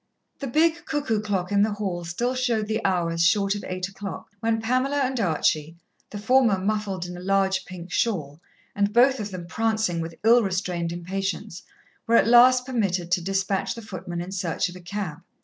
The big cuckoo clock in the hall still showed the hour as short of eight o'clock when Pamela and Archie, the former muffled in a large pink shawl, and both of them prancing with ill restrained impatience, were at last permitted to dispatch the footman in search of a cab.